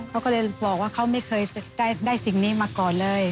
เขาก็เลยบอกว่าเขาไม่เคยได้สิ่งนี้มาก่อนเลย